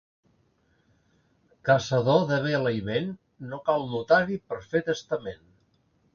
Caçador de vela i vent, no cal notari per fer testament.